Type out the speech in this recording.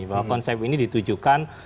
bahwa konsep ini ditujukan